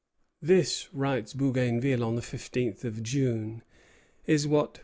"This," writes Bougainville on the fifteenth of June, "is what M.